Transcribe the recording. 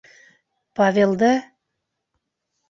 Павелды...